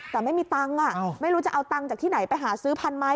แต่ไม่มีตังค์ไม่รู้จะเอาตังค์จากที่ไหนไปหาซื้อพันไม้